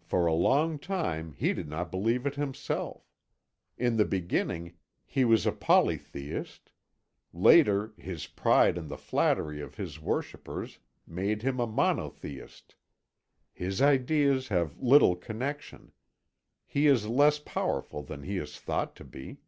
For a long time He did not believe it Himself; in the beginning He was a polytheist; later, His pride and the flattery of His worshippers made Him a monotheist. His ideas have little connection; He is less powerful than He is thought to be.